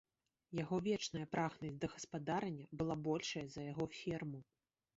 Яго вечная прагнасць да гаспадарання была большая за яго ферму.